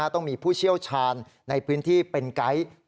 ต้องมีผู้เชี่ยวชาญในพื้นที่เป็นไก๊